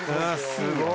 すごい！